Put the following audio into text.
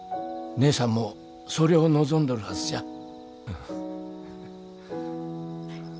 義姉さんもそりょお望んどるはずじゃ。